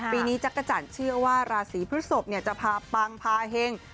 ปีนี้จักรจันทร์เชื่อว่าราศีพฤศพจะพาปังพาเห็ง